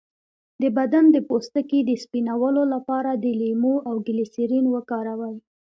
د بدن د پوستکي د سپینولو لپاره د لیمو او ګلسرین وکاروئ